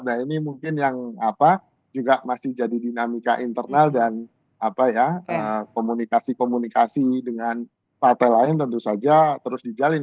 nah ini mungkin yang juga masih jadi dinamika internal dan komunikasi komunikasi dengan partai lain tentu saja terus dijalin